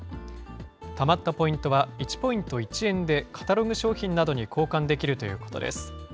たまったポイントは１ポイント１円でカタログ商品などに交換できるということです。